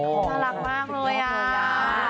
น่ารักมากเลยอ่ะ